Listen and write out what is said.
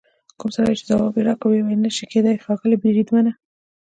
کوم سړي چې ځواب یې راکړ وویل: نه شي کېدای ښاغلي بریدمنه.